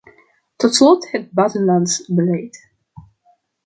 Tot slot het buitenlands beleid.